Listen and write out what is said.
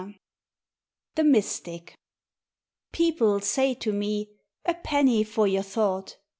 _ The Mystic People say to me, 'A penny for your thought.'